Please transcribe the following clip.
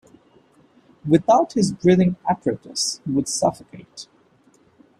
Without his breathing apparatus he would suffocate.